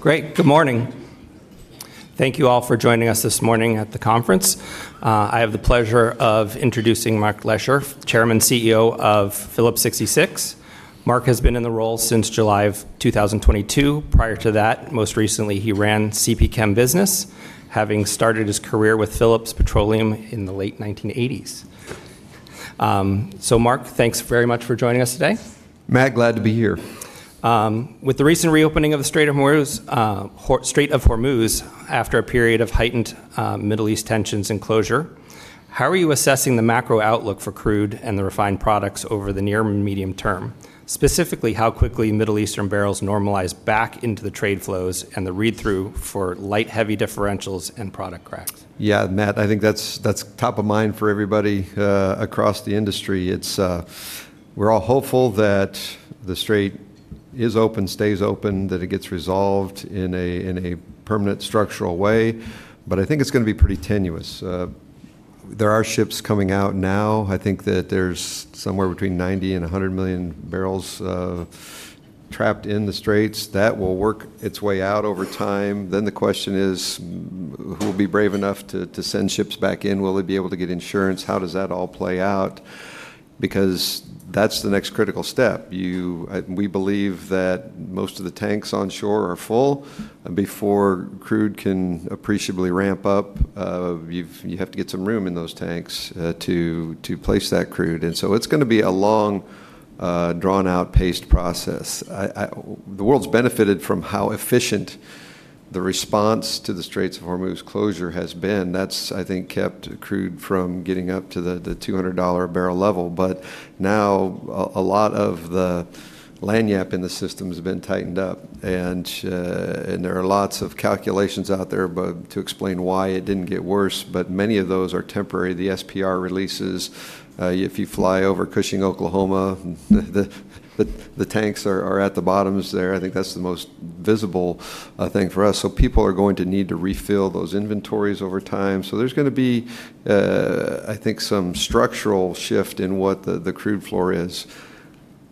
Great. Good morning. Thank you all for joining us this morning at the conference. I have the pleasure of introducing Mark Lashier, Chairman, CEO of Phillips 66. Mark has been in the role since July of 2022. Prior to that, most recently, he ran CP Chem Business, having started his career with Phillips Petroleum in the late 1980s. Mark, thanks very much for joining us today. Matt, glad to be here. With the recent reopening of the Strait of Hormuz after a period of heightened Middle East tensions and closure, how are you assessing the macro outlook for crude and the refined products over the near and medium term? Specifically, how quickly Middle Eastern barrels normalize back into the trade flows and the read-through for light heavy differentials and product cracks. Matt, I think that's top of mind for everybody across the industry. We're all hopeful that the strait is open, stays open, that it gets resolved in a permanent structural way, but I think it's going to be pretty tenuous. There are ships coming out now. I think that there's somewhere between 90 and 100 million barrels trapped in the straits. That will work its way out over time. The question is, who will be brave enough to send ships back in? Will they be able to get insurance? How does that all play out? Because that's the next critical step. We believe that most of the tanks on shore are full. Before crude can appreciably ramp up, you have to get some room in those tanks to place that crude. It's going to be a long, drawn-out paced process. The world's benefited from how efficient the response to the Straits of Hormuz closure has been. That's, I think, kept crude from getting up to the $200 a barrel level. Now a lot of the lagniappe in the system has been tightened up, there are lots of calculations out there to explain why it didn't get worse, but many of those are temporary. The SPR releases. If you fly over Cushing, Oklahoma, the tanks are at the bottoms there. I think that's the most visible thing for us. People are going to need to refill those inventories over time. There's going to be, I think, some structural shift in what the crude floor is.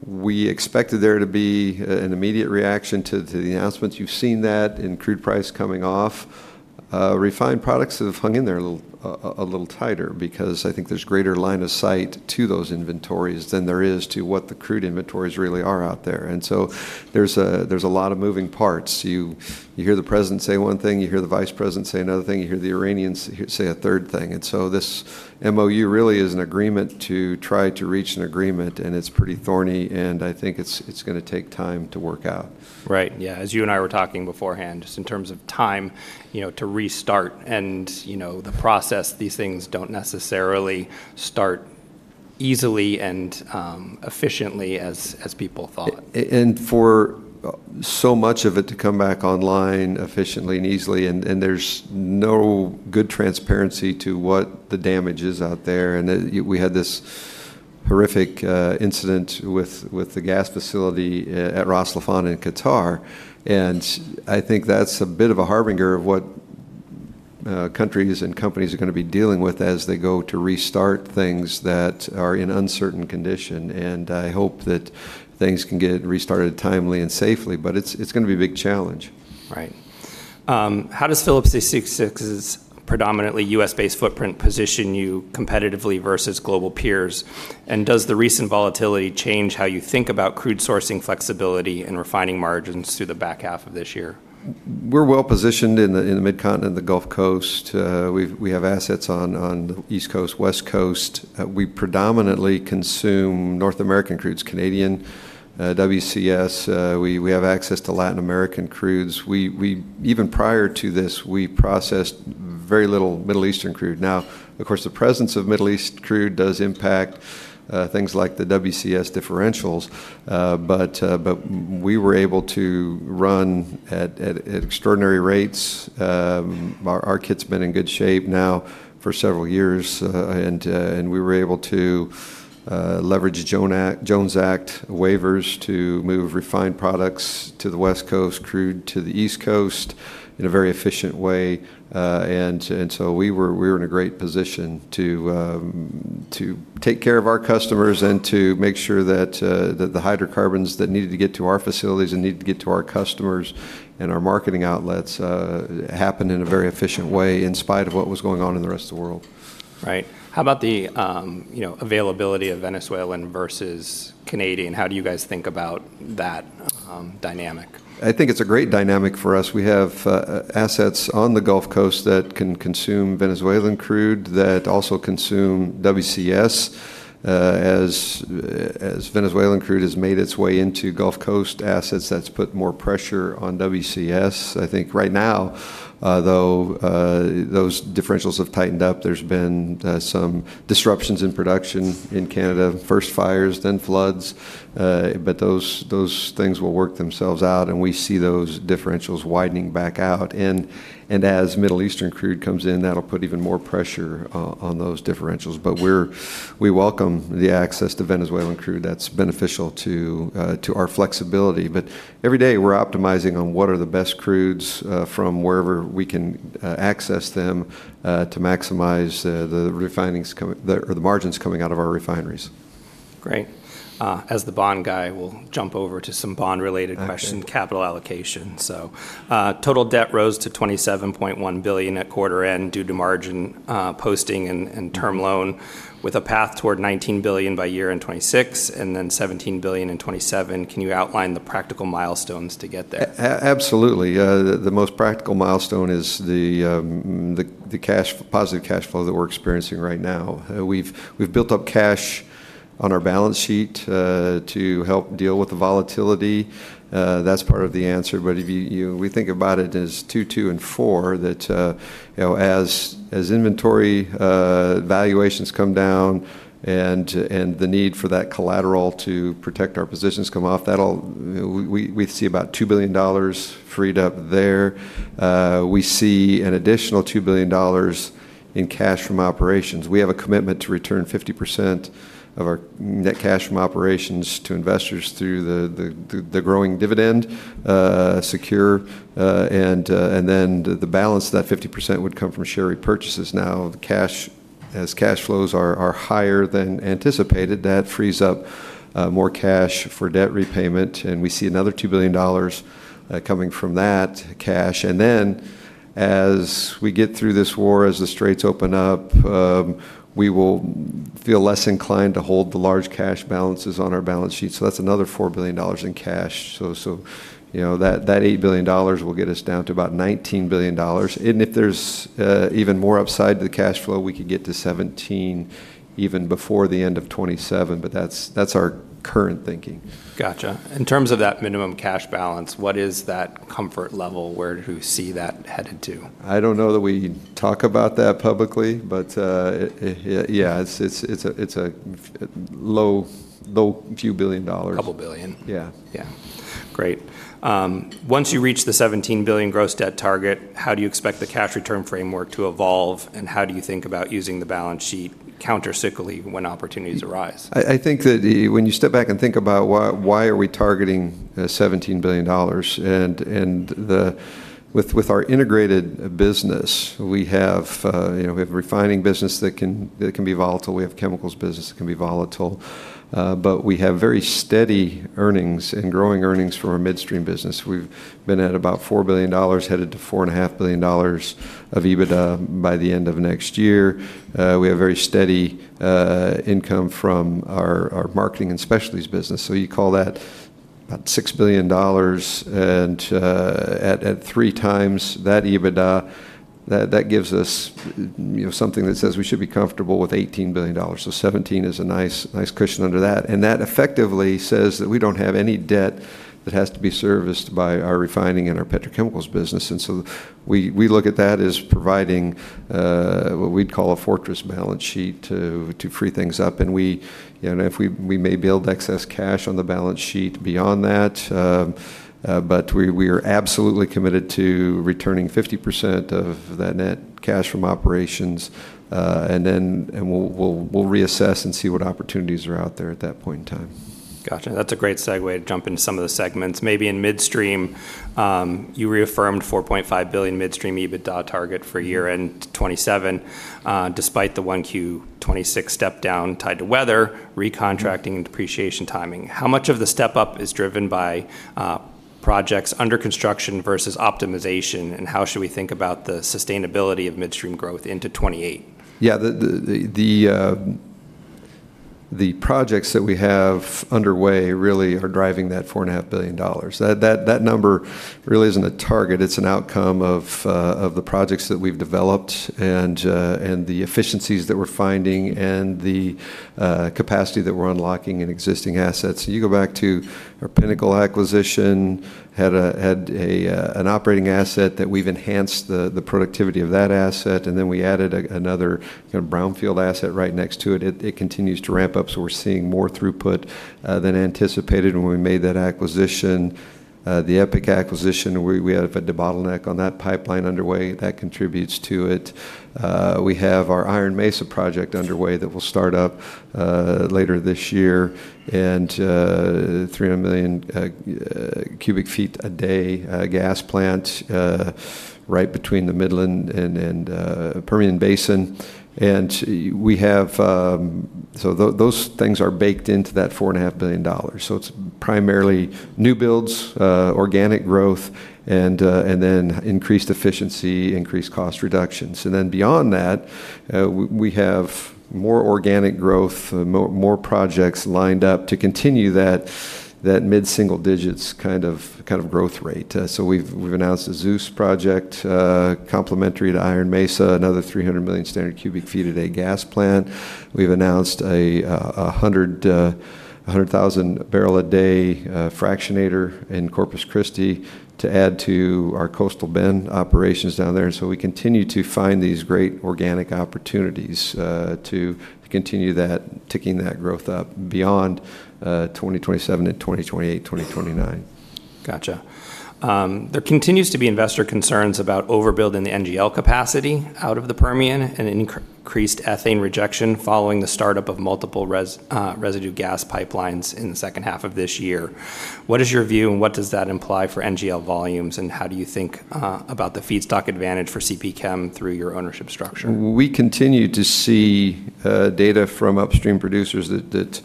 We expected there to be an immediate reaction to the announcements. You've seen that in crude price coming off. Refined products have hung in there a little tighter because I think there's greater line of sight to those inventories than there is to what the crude inventories really are out there. There's a lot of moving parts. You hear the President say one thing. You hear the Vice President say another thing. You hear the Iranians say a third thing. This MOU really is an agreement to try to reach an agreement, and it's pretty thorny, and I think it's going to take time to work out. Right. Yeah, as you and I were talking beforehand, just in terms of time to restart and the process, these things don't necessarily start easily and efficiently as people thought. For so much of it to come back online efficiently and easily, there's no good transparency to what the damage is out there. We had this horrific incident with the gas facility at Ras Laffan in Qatar, I think that's a bit of a harbinger of what countries and companies are going to be dealing with as they go to restart things that are in uncertain condition. I hope that things can get restarted timely and safely. It's going to be a big challenge. Right. How does Phillips 66's predominantly U.S.-based footprint position you competitively versus global peers? Does the recent volatility change how you think about crude sourcing flexibility and refining margins through the back half of this year? We're well-positioned in the Mid-Continent and the Gulf Coast. We have assets on the East Coast, West Coast. We predominantly consume North American crudes, Canadian, WCS. We have access to Latin American crudes. Even prior to this, we processed very little Middle Eastern crude. Now, of course, the presence of Middle East crude does impact things like the WCS differentials. We were able to run at extraordinary rates. Our kit's been in good shape now for several years. We were able to leverage Jones Act waivers to move refined products to the West Coast, crude to the East Coast in a very efficient way. We were in a great position to take care of our customers and to make sure that the hydrocarbons that needed to get to our facilities and needed to get to our customers and our marketing outlets happened in a very efficient way, in spite of what was going on in the rest of the world. Right. How about the availability of Venezuelan versus Canadian? How do you guys think about that dynamic? I think it's a great dynamic for us. We have assets on the Gulf Coast that can consume Venezuelan crude, that also consume WCS. As Venezuelan crude has made its way into Gulf Coast assets, that's put more pressure on WCS. I think right now, though, those differentials have tightened up. There's been some disruptions in production in Canada, first fires, then floods. Those things will work themselves out, and we see those differentials widening back out. As Middle Eastern crude comes in, that'll put even more pressure on those differentials. We welcome the access to Venezuelan crude. That's beneficial to our flexibility. Every day, we're optimizing on what are the best crudes from wherever we can access them to maximize the margins coming out of our refineries. Great. As the bond guy, we'll jump over to some bond related questions capital allocation. Total debt rose to $27.1 billion at quarter end due to margin posting and term loan with a path toward $19 billion by year-end 2026, and then $17 billion in 2027. Can you outline the practical milestones to get there? Absolutely. The most practical milestone is the positive cash flow that we're experiencing right now. We've built up cash on our balance sheet to help deal with the volatility. That's part of the answer. We think about it as two two, and four that as inventory valuations come down and the need for that collateral to protect our positions come off, we see about $2 billion freed up there. We see an additional $2 billion in cash from operations. We have a commitment to return 50% of our net cash from operations to investors through the growing dividend secure. The balance of that 50% would come from share repurchases now as cash flows are higher than anticipated. That frees up more cash for debt repayment, and we see another $2 billion coming from that cash. As we get through this war, as the straits open up, we will feel less inclined to hold the large cash balances on our balance sheet. That's another $4 billion in cash. That $8 billion will get us down to about $19 billion. If there's even more upside to the cash flow, we could get to $17 even before the end of 2027, but that's our current thinking. Got you. In terms of that minimum cash balance, what is that comfort level? Where do you see that headed to? I don't know that we talk about that publicly, but yeah, it's a low few billion dollars. A couple billion. Yeah. Yeah. Great. Once you reach the $17 billion gross debt target, how do you expect the cash return framework to evolve, and how do you think about using the balance sheet countercyclically when opportunities arise? I think that when you step back and think about why are we targeting $17 billion, and with our integrated business, we have a refining business that can be volatile, we have a chemicals business that can be volatile. We have very steady earnings and growing earnings from our midstream business. We've been at about $4 billion, headed to $4.5 billion of EBITDA by the end of next year. We have very steady income from our marketing and specialties business. You call that about $6 billion, and at three times that EBITDA, that gives us something that says we should be comfortable with $18 billion. $17 is a nice cushion under that. That effectively says that we don't have any debt that has to be serviced by our refining and our petrochemicals business. We look at that as providing what we'd call a fortress balance sheet to free things up. We may build excess cash on the balance sheet beyond that, but we are absolutely committed to returning 50% of that net cash from operations. Then we'll reassess and see what opportunities are out there at that point in time. Got you. That's a great segue to jump into some of the segments. Maybe in midstream, you reaffirmed $4.5 billion midstream EBITDA target for year-end 2027, despite the 1Q 2026 step down tied to weather, re-contracting, and depreciation timing. How much of the step up is driven by projects under construction versus optimization, and how should we think about the sustainability of midstream growth into 2028? Yeah. The projects that we have underway really are driving that $4.5 billion. That number really isn't a target. It's an outcome of the projects that we've developed and the efficiencies that we're finding and the capacity that we're unlocking in existing assets. You go back to our Pinnacle acquisition, had an operating asset that we've enhanced the productivity of that asset, and then we added another brownfield asset right next to it. It continues to ramp up, so we're seeing more throughput than anticipated when we made that acquisition. The EPIC acquisition, we had to put a bottleneck on that pipeline underway. That contributes to it. We have our Iron Mesa project underway that will start up later this year, a 300 million cubic feet a day gas plant right between the Midland and Permian Basin. Those things are baked into that $4.5 billion. It's primarily new builds, organic growth, and then increased efficiency, increased cost reductions. Beyond that, we have more organic growth, more projects lined up to continue that mid-single digits kind of growth rate. We've announced a Zeus project complementary to Iron Mesa, another 300 million standard cubic feet a day gas plant. We've announced a 100,000 barrel a day fractionator in Corpus Christi to add to our Coastal Bend operations down there. We continue to find these great organic opportunities to continue ticking that growth up beyond 2027 into 2028, 2029. Got you. There continues to be investor concerns about overbuilding the NGL capacity out of the Permian and increased ethane rejection following the startup of multiple residue gas pipelines in the second half of this year. What is your view, and what does that imply for NGL volumes, and how do you think about the feedstock advantage for CP Chem through your ownership structure? We continue to see data from upstream producers that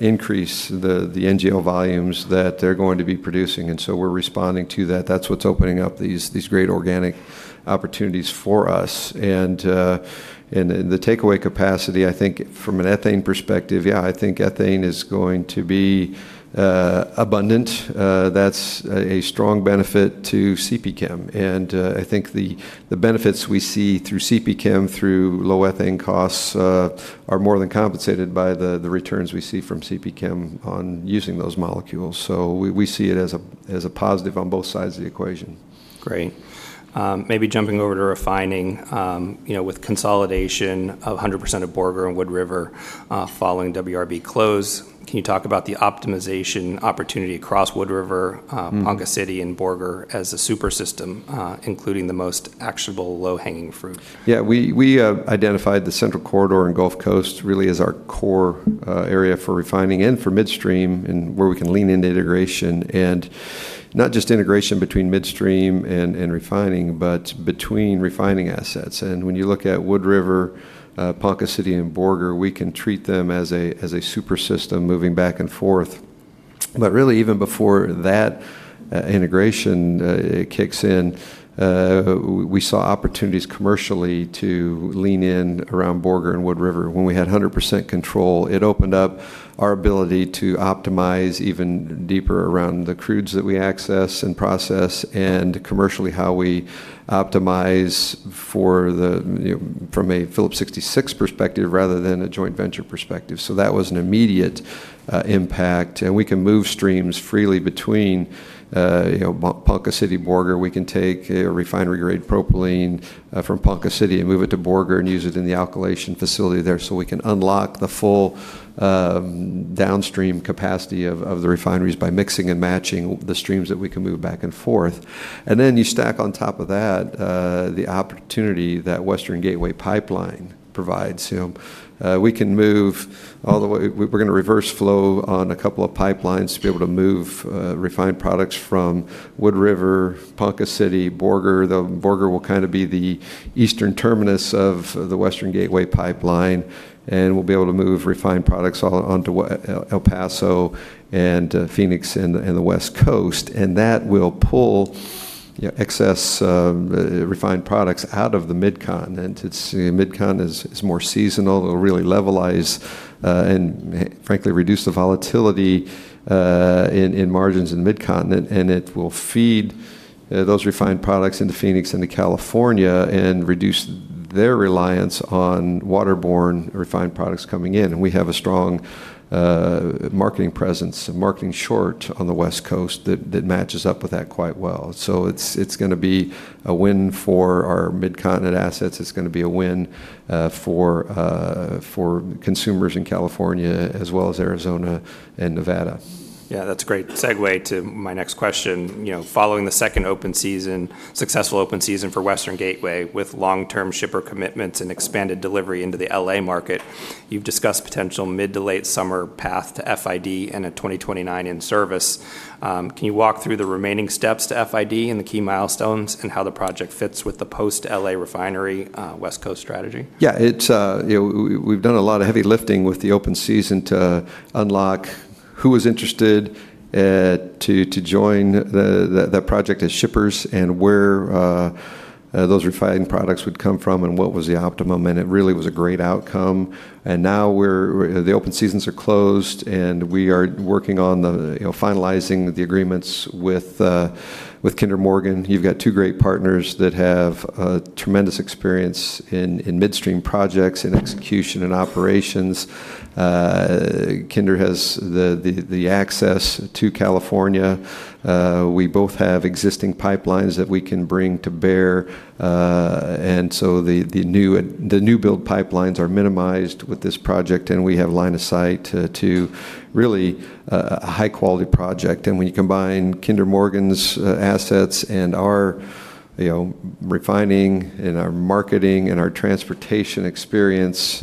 increase the NGL volumes that they're going to be producing, we're responding to that. That's what's opening up these great organic opportunities for us. The takeaway capacity, I think from an ethane perspective, yeah, I think ethane is going to be abundant. That's a strong benefit to CP Chem. I think the benefits we see through CP Chem through low ethane costs are more than compensated by the returns we see from CP Chem on using those molecules. We see it as a positive on both sides of the equation. Great. Maybe jumping over to refining. With consolidation of 100% of Borger and Wood River following WRB close, can you talk about the optimization opportunity across Wood River, Ponca City, and Borger as a super system including the most actionable low-hanging fruit? Yeah. We identified the Central Corridor and Gulf Coast really as our core area for refining and for midstream, and where we can lean into integration. Not just integration between midstream and refining, but between refining assets. When you look at Wood River, Ponca City, and Borger, we can treat them as a super system moving back and forth. Really, even before that integration kicks in, we saw opportunities commercially to lean in around Borger and Wood River. When we had 100% control, it opened up our ability to optimize even deeper around the crudes that we access and process, and commercially how we optimize from a Phillips 66 perspective rather than a joint venture perspective. That was an immediate impact. We can move streams freely between Ponca City, Borger. We can take a refinery-grade propylene from Ponca City and move it to Borger and use it in the alkylation facility there. We can unlock the full downstream capacity of the refineries by mixing and matching the streams that we can move back and forth. Then you stack on top of that the opportunity that Western Gateway Pipeline provides. We're going to reverse flow on a couple of pipelines to be able to move refined products from Wood River, Ponca City, Borger. Borger will be the eastern terminus of the Western Gateway Pipeline, and we'll be able to move refined products all onto El Paso and Phoenix and the West Coast. That will pull excess refined products out of the Midcontinent. Midcontinent is more seasonal. It'll really levelized and frankly reduce the volatility in margins in Midcontinent, and it will feed those refined products into Phoenix into California and reduce their reliance on waterborne refined products coming in. We have a strong marketing presence, a marketing short on the West Coast that matches up with that quite well. It's going to be a win for our Midcontinent assets. It's going to be a win for consumers in California as well as Arizona and Nevada. That's a great segue to my next question. Following the second successful open season for Western Gateway with long-term shipper commitments and expanded delivery into the L.A. market, you've discussed potential mid to late summer path to FID and a 2029 in service. Can you walk through the remaining steps to FID and the key milestones, and how the project fits with the post-L.A. refinery West Coast strategy? We've done a lot of heavy lifting with the open season to unlock who was interested to join that project as shippers, and where those refining products would come from, and what was the optimum. It really was a great outcome. Now the open seasons are closed, and we are working on finalizing the agreements with Kinder Morgan. You've got two great partners that have tremendous experience in midstream projects, in execution, and operations. Kinder has the access to California. We both have existing pipelines that we can bring to bear. The new build pipelines are minimized with this project, and we have line of sight to really a high-quality project. When you combine Kinder Morgan's assets and our refining and our marketing and our transportation experience,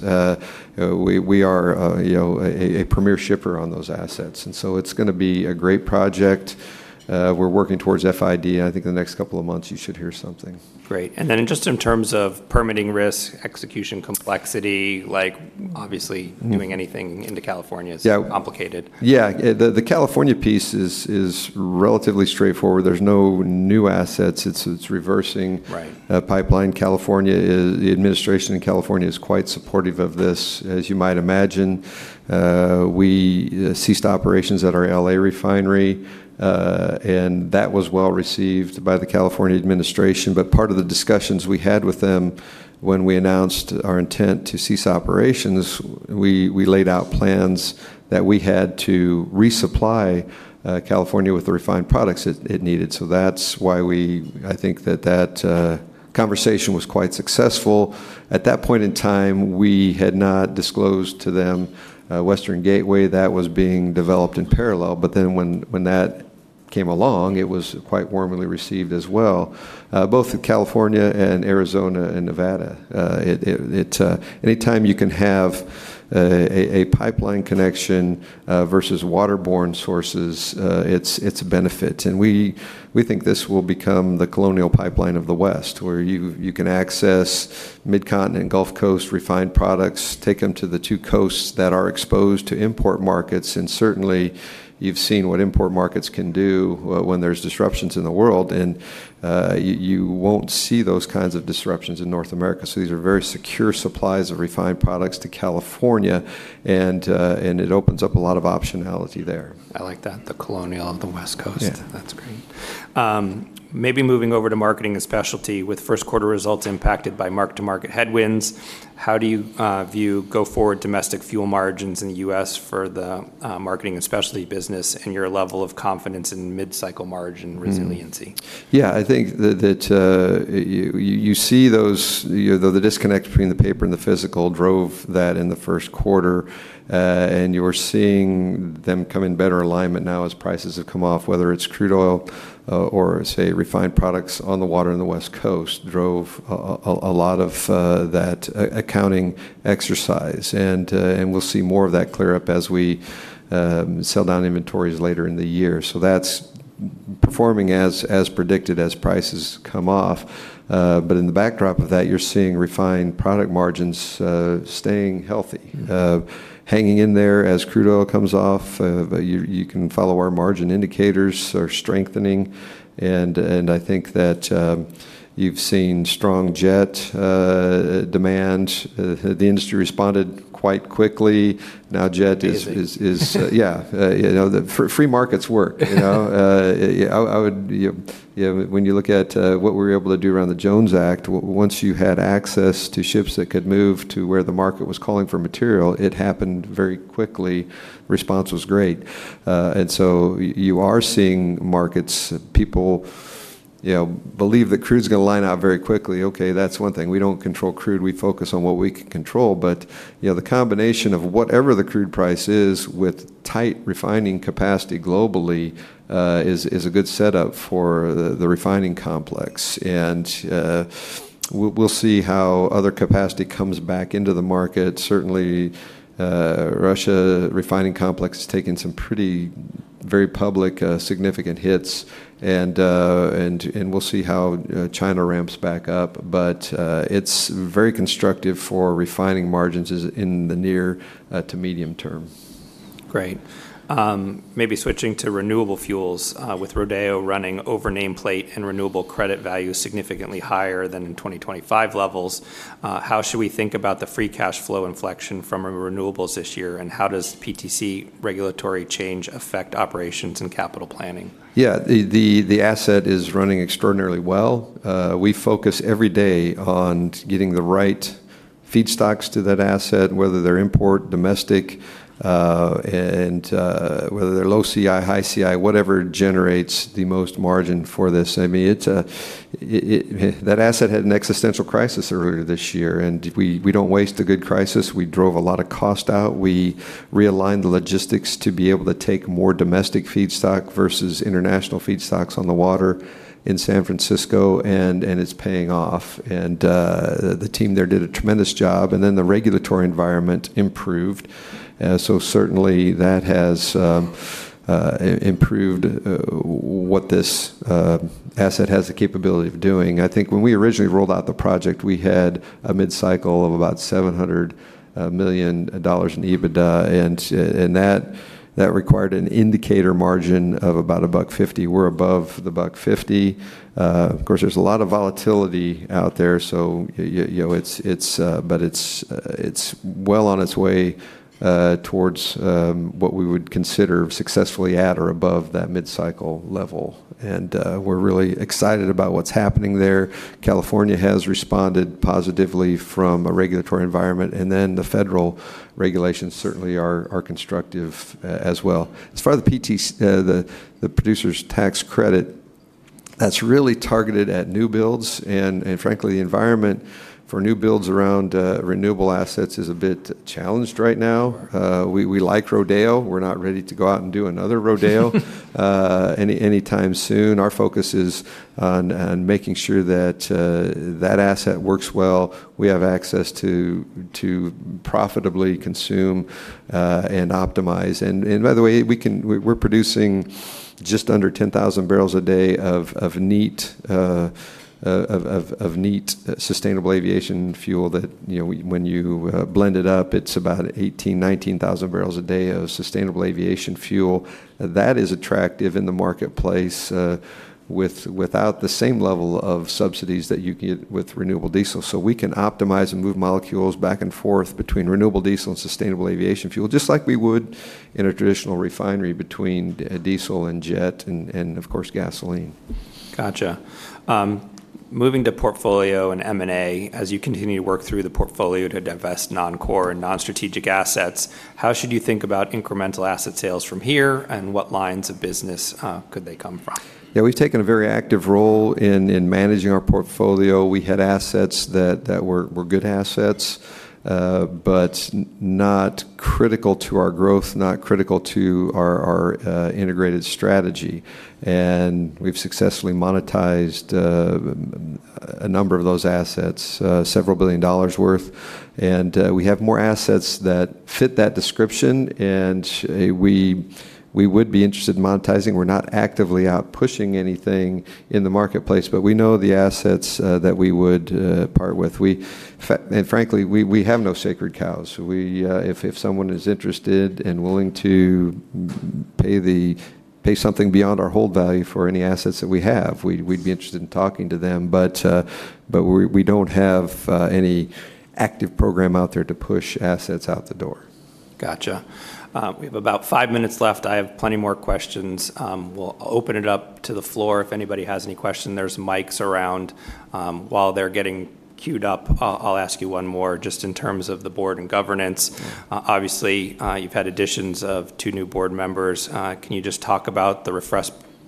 we are a premier shipper on those assets. It's going to be a great project. We're working towards FID, and I think in the next couple of months you should hear something. Great. Just in terms of permitting risk, execution complexity, obviously doing anything into California is complicated. Yeah. The California piece is relatively straightforward. There's no new assets, it's reversing a pipeline. The administration in California is quite supportive of this, as you might imagine. We ceased operations at our L.A. refinery, and that was well received by the California administration. Part of the discussions we had with them when we announced our intent to cease operations, we laid out plans that we had to resupply California with the refined products it needed. That's why I think that conversation was quite successful. At that point in time, we had not disclosed to them Western Gateway. That was being developed in parallel. When that came along, it was quite warmly received as well, both California and Arizona, and Nevada. Any time you can have a pipeline connection versus waterborne sources, it's a benefit. We think this will become the Colonial Pipeline of the West, where you can access Mid-Continent and Gulf Coast refined products, take them to the two coasts that are exposed to import markets, certainly you've seen what import markets can do when there's disruptions in the world. You won't see those kinds of disruptions in North America. These are very secure supplies of refined products to California, it opens up a lot of optionality there. I like that, the Colonial of the West Coast. That's great. Maybe moving over to marketing and specialty with first quarter results impacted by mark-to-market headwinds, how do you view go-forward domestic fuel margins in the U.S. for the marketing and specialty business and your level of confidence in mid-cycle margin resiliency? Yeah, I think that you see the disconnect between the paper and the physical drove that in the first quarter, you're seeing them come in better alignment now as prices have come off, whether it's crude oil or, say, refined products on the water in the West Coast drove a lot of that accounting exercise. We'll see more of that clear up as we sell down inventories later in the year. That's performing as predicted as prices come off. In the backdrop of that, you're seeing refined product margins staying healthy. Hanging in there as crude oil comes off. You can follow our margin indicators are strengthening, I think that you've seen strong jet demand. The industry responded quite quickly. Amazing. Yeah. Free markets work. When you look at what we were able to do around the Jones Act, once you had access to ships that could move to where the market was calling for material, it happened very quickly. Response was great. You are seeing markets. People believe that crude's going to line out very quickly. Okay, that's one thing. We don't control crude. We focus on what we can control. The combination of whatever the crude price is with tight refining capacity globally is a good setup for the refining complex. We'll see how other capacity comes back into the market. Certainly, Russia refining complex has taken some pretty very public significant hits and we'll see how China ramps back up. It's very constructive for refining margins in the near to medium term. Great. Maybe switching to renewable fuels. With Rodeo running over nameplate and renewable credit value significantly higher than in 2025 levels, how should we think about the free cash flow inflection from renewables this year, and how does PTC regulatory change affect operations and capital planning? Yeah. The asset is running extraordinarily well. We focus every day on getting the right feedstocks to that asset, whether they're import, domestic, whether they're low CI, high CI, whatever generates the most margin for this. That asset had an existential crisis earlier this year. We don't waste a good crisis. We drove a lot of cost out. We realigned the logistics to be able to take more domestic feedstock versus international feedstocks on the water in San Francisco. It's paying off. The team there did a tremendous job. The regulatory environment improved. Certainly, that has improved what this asset has the capability of doing. I think when we originally rolled out the project, we had a mid-cycle of about $700 million in EBITDA. That required an indicator margin of about $1.50. We're above the $1.50. Of course, there's a lot of volatility out there. It's well on its way towards what we would consider successfully at or above that mid-cycle level. We're really excited about what's happening there. California has responded positively from a regulatory environment. The federal regulations certainly are constructive as well. As far the Production Tax Credit, that's really targeted at new builds. Frankly, the environment for new builds around renewable assets is a bit challenged right now. We like Rodeo. We're not ready to go out and do another Rodeo anytime soon. Our focus is on making sure that that asset works well. We have access to profitably consume and optimize. By the way, we're producing just under 10,000 barrels a day of neat sustainable aviation fuel that when you blend it up, it's about 18,000, 19,000 barrels a day of sustainable aviation fuel. That is attractive in the marketplace without the same level of subsidies that you get with renewable diesel. We can optimize and move molecules back and forth between renewable diesel and sustainable aviation fuel, just like we would in a traditional refinery between diesel and jet and, of course, gasoline. Gotcha. Moving to portfolio and M&A, as you continue to work through the portfolio to divest non-core and non-strategic assets, how should you think about incremental asset sales from here, and what lines of business could they come from? Yeah, we've taken a very active role in managing our portfolio. We had assets that were good assets, but not critical to our growth, not critical to our integrated strategy. We've successfully monetized a number of those assets, several billion dollars worth. We have more assets that fit that description, and we would be interested in monetizing. We're not actively out pushing anything in the marketplace, but we know the assets that we would part with. Frankly, we have no sacred cows. If someone is interested and willing to pay something beyond our hold value for any assets that we have, we'd be interested in talking to them. We don't have any active program out there to push assets out the door. Got you. We have about five minutes left. I have plenty more questions. We'll open it up to the floor. If anybody has any questions, there's mics around. While they're getting queued up, I'll ask you one more just in terms of the board and governance. Obviously, you've had additions of two new board members. Can you just talk about the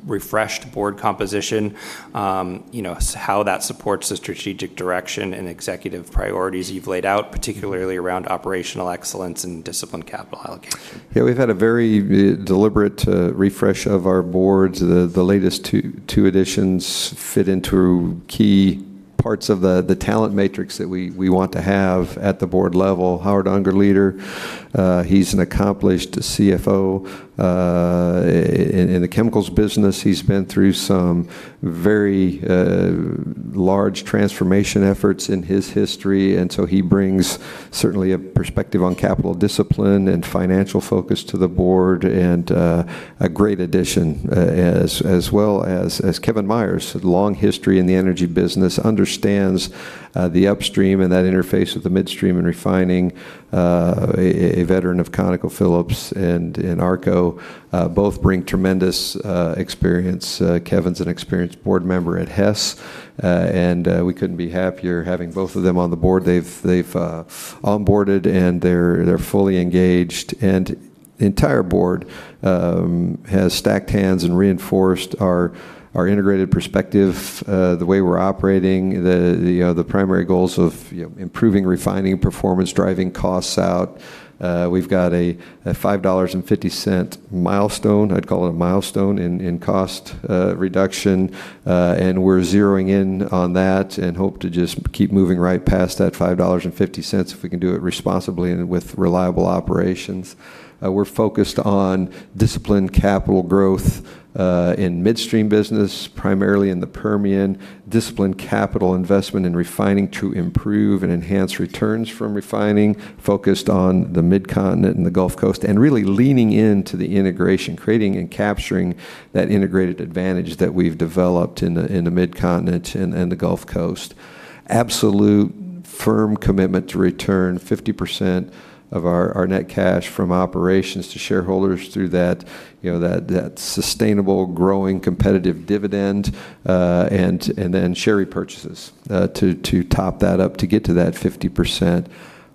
refreshed board composition, how that supports the strategic direction and executive priorities you've laid out, particularly around operational excellence and disciplined capital allocation? Yeah, we've had a very deliberate refresh of our boards. The latest two additions fit into key parts of the talent matrix that we want to have at the board level. Howard Ungerleider, he's an accomplished CFO in the chemicals business. He's been through some very large transformation efforts in his history. So he brings certainly a perspective on capital discipline and financial focus to the board, and a great addition. As well as Kevin Meyers, a long history in the energy business, understands the upstream and that interface with the midstream and refining, a veteran of ConocoPhillips and in ARCO. Both bring tremendous experience. Kevin's an experienced board member at Hess. We couldn't be happier having both of them on the board. They've onboarded, and they're fully engaged. The entire board has stacked hands and reinforced our integrated perspective, the way we're operating, the primary goals of improving refining performance, driving costs out. We've got a $5.50 milestone, I'd call it a milestone, in cost reduction. We're zeroing in on that and hope to just keep moving right past that $5.50 if we can do it responsibly and with reliable operations. We're focused on disciplined capital growth in midstream business, primarily in the Permian. Disciplined capital investment in refining to improve and enhance returns from refining focused on the Mid-Continent and the Gulf Coast, and really leaning into the integration, creating and capturing that integrated advantage that we've developed in the Mid-Continent and the Gulf Coast. Absolute firm commitment to return 50% of our net cash from operations to shareholders through that sustainable, growing, competitive dividend, then share repurchases to top that up to get to that 50%.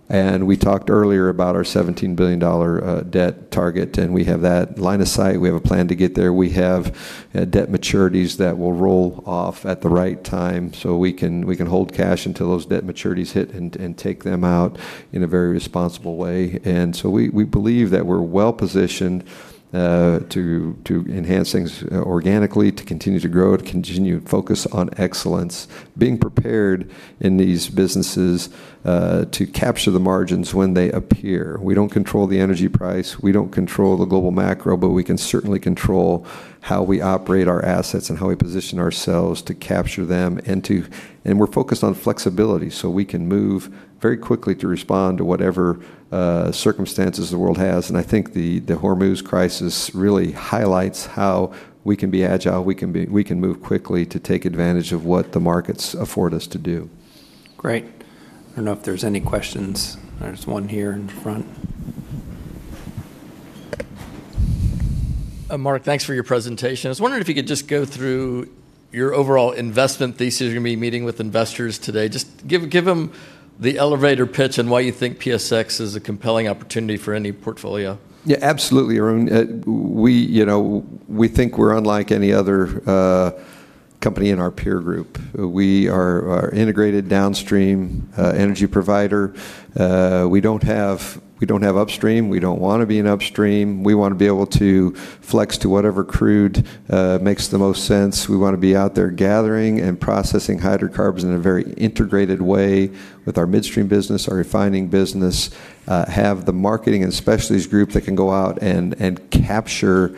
We talked earlier about our $17 billion debt target, and we have that line of sight. We have a plan to get there. We have debt maturities that will roll off at the right time, so we can hold cash until those debt maturities hit and take them out in a very responsible way. We believe that we're well-positioned to enhance things organically, to continue to grow, to continue to focus on excellence, being prepared in these businesses to capture the margins when they appear. We don't control the energy price. We don't control the global macro, we can certainly control how we operate our assets and how we position ourselves to capture them. We're focused on flexibility, so we can move very quickly to respond to whatever circumstances the world has. I think the Hormuz crisis really highlights how we can be agile. We can move quickly to take advantage of what the markets afford us to do. Great. I don't know if there's any questions. There's one here in front. Mark, thanks for your presentation. I was wondering if you could just go through your overall investment thesis. You're going to be meeting with investors today. Just give them the elevator pitch on why you think PSX is a compelling opportunity for any portfolio. Yeah, absolutely, Arun. We think we're unlike any other company in our peer group. We are an integrated downstream energy provider. We don't have upstream. We don't want to be an upstream. We want to be able to flex to whatever crude makes the most sense. We want to be out there gathering and processing hydrocarbons in a very integrated way with our midstream business, our refining business, have the marketing and specialties group that can go out and capture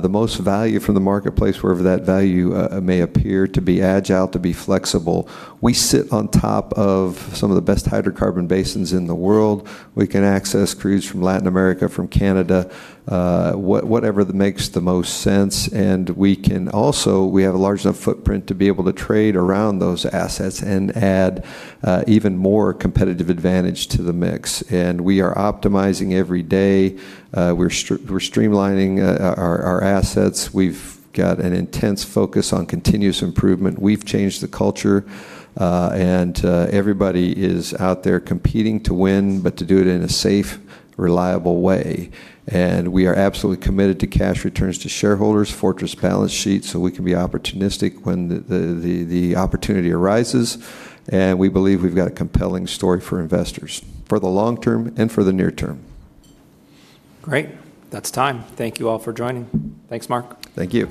the most value from the marketplace wherever that value may appear, to be agile, to be flexible. We sit on top of some of the best hydrocarbon basins in the world. We can access crudes from Latin America, from Canada, whatever makes the most sense. We can also, we have a large enough footprint to be able to trade around those assets and add even more competitive advantage to the mix. We are optimizing every day. We're streamlining our assets. We've got an intense focus on continuous improvement. We've changed the culture. Everybody is out there competing to win, but to do it in a safe, reliable way. We are absolutely committed to cash returns to shareholders, fortress balance sheet, so we can be opportunistic when the opportunity arises. We believe we've got a compelling story for investors for the long term and for the near term. Great. That's time. Thank you all for joining. Thanks, Mark. Thank you.